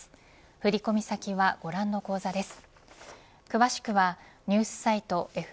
振込先はご覧の口座です。